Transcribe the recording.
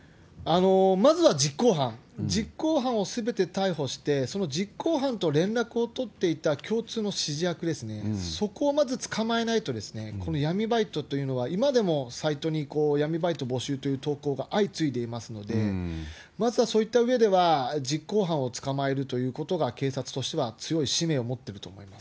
まずは実行犯、実行犯をすべて逮捕して、その実行犯と連絡を取っていた共通の指示役ですね、そこをまず捕まえないと、この闇バイトというのは、今でもサイトに闇バイト募集という投稿が相次いでいますので、まずはそういったうえでは、実行犯を捕まえるということが、警察としては強い指名を持っていると思います。